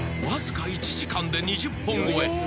［わずか１時間で２０本超え。